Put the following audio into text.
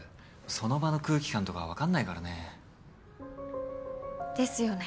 その場の空気感とか分かんないからね。ですよね。